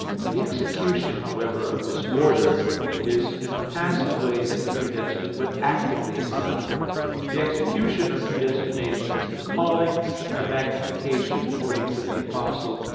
The execution, however, of this order is in a passive way in the predestined, but actively in God. The execution of predestination is the calling and magnification; according to the Apostle (Rom.